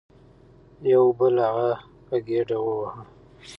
یو بل هغه په ګیډه وواهه.